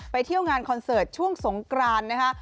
เที่ยวงานคอนเสิร์ตช่วงสงกรานนะคะ